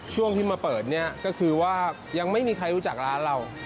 ช่วงที่มาเปิดเนี่ยก็คือว่ายังไม่มีใครรู้จักร้านเรา